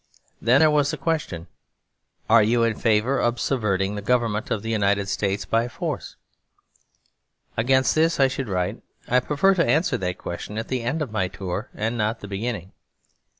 Then there was the question, 'Are you in favour of subverting the government of the United States by force?' Against this I should write, 'I prefer to answer that question at the end of my tour and not the beginning.'